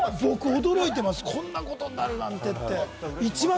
僕、驚いています、こんなことになるだなんて。